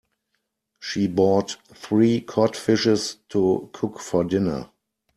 She bought three cod fishes to cook for dinner.